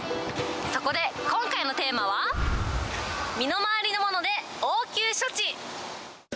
そこで今回のテーマは、身の回りのもので応急処置。